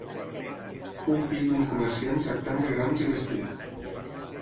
Fou fill d'un comerciant tractant de grans i bestiar.